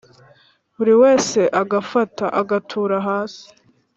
Buri wese agafata agatura hasi